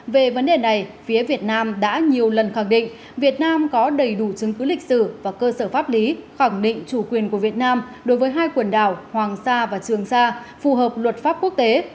về vấn đề này phía việt nam đã nhiều lần khẳng định việt nam có đầy đủ chứng cứ lịch sử và cơ sở pháp lý khẳng định chủ quyền của việt nam đối với hai quần đảo hoàng sa và trường sa phù hợp luật pháp quốc tế